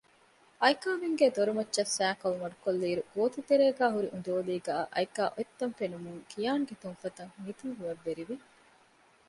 އައިކާމެންގޭ ދޮރުމައްޗަށް ސައިކަލު މަޑުކޮށްލިއިރު ގޯތިތެރޭގައި ހުރި އުނދޯލީގައި އައިކާ އޮތްތަން ފެނުމުން ކިޔާންގެ ތުންފަތަށް ހިނިތުންވުމެއް ވެރިވި